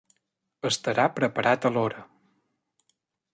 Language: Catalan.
Estarà preparat a l'hora.